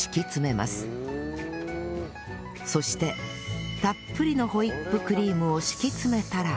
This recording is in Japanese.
そしてたっぷりのホイップクリームを敷き詰めたら